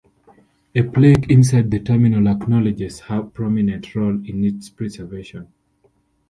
A plaque inside the terminal acknowledges her prominent role in its preservation.